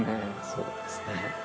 そうですね